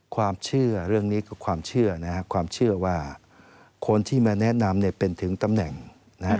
ความเชื่อเรื่องนี้คือความเชื่อนะครับความเชื่อว่าคนที่มาแนะนำเนี่ยเป็นถึงตำแหน่งนะฮะ